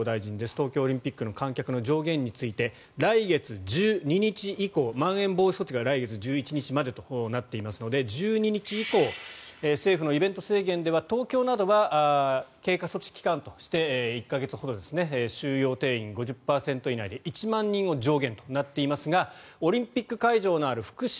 東京オリンピックの観客の上限について来月１２日以降まん延防止措置が来月１１日までとなっていますので１２日以降政府のイベント制限では東京などは経過措置期間として１か月ほど収容定員５０％以内で１万人を上限となっていますがオリンピック会場のある福島、